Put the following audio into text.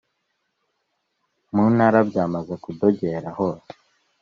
muntara byamaze kudogera hose